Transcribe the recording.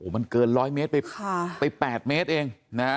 มันเกิน๑๐๐เมตรไป๘เมตรเองนะฮะ